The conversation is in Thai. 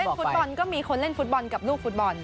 เหมือนเล่นฟุตบอลก็มีคนเล่นฟุตบอลกับลูกฟุตบอล